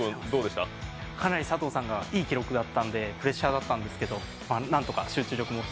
かなり佐藤さんがいい記録だったんでプレッシャーだったんですけどなんとか集中力持って。